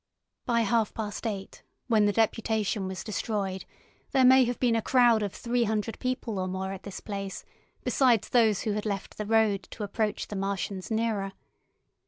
By half past eight, when the Deputation was destroyed, there may have been a crowd of three hundred people or more at this place, besides those who had left the road to approach the Martians nearer.